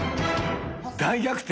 大逆転？